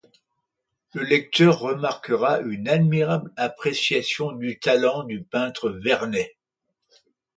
Le lecteur remarquera une admirable appréciation du talent du peintre Vernet.